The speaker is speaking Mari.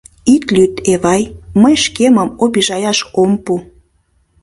Ит лӱд, Эвай, мый шкемым обижаяш ом пу.